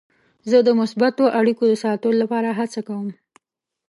زه د مثبتو اړیکو د ساتلو لپاره هڅه کوم.